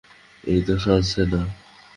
এটা তো ফ্রান্সে না।